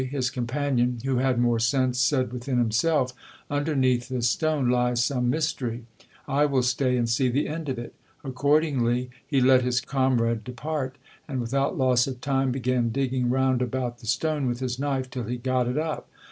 His companion, who had more sense, said within himself : Underneath this stone lies some mystery ; I will stay, and see the end of it. Accordingly, he let his comrade depart, and without loss of time began digging round about the stone with his knife till he got it up.